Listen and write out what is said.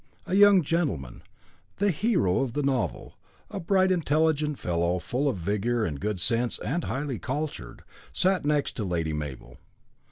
A young gentleman, the hero of the novel, a bright intelligent fellow, full of vigour and good sense, and highly cultured, sat next to Lady Mabel.